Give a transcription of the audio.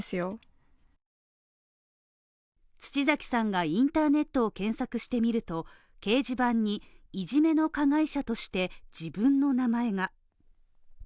土崎さんがインターネットを検索してみると、掲示板に、いじめの加害者として自分の名前が。